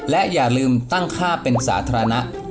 และอย่าลืมตั้งค่าเป็นสาธารณะ